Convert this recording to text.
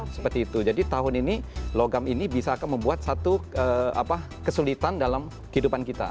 seperti itu jadi tahun ini logam ini bisa akan membuat satu kesulitan dalam kehidupan kita